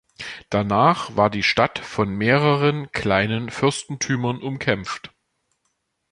Danach war die Stadt von mehreren kleinen Fürstentümern umkämpft.